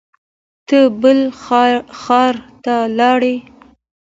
ته بل ښار ته لاړې